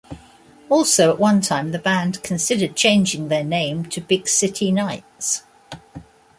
Also, at one time the band considered changing their name to Big City Knights.